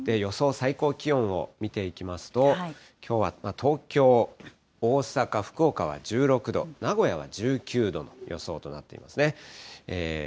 最高気温を見ていきますと、きょうは東京、大阪、福岡は１６度、名古屋は１９度の予想となっていますね。